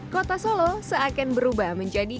kota solo seakan berubah menjadi